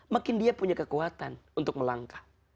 makin dia punya kekuatan untuk melangkah